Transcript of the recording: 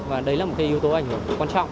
và đấy là một cái yếu tố ảnh hưởng